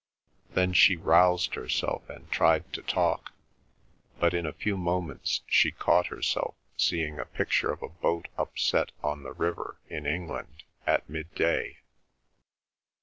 Then she roused herself and tried to talk, but in a few moments she caught herself seeing a picture of a boat upset on the river in England, at midday.